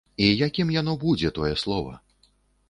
І якім яно будзе, тое слова?